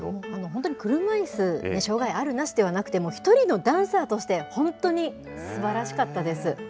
本当に車いすで、障害ある、なしではなくて、もう、一人のダンサーとして、本当にすばらしかったです。